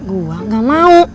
gue gak mau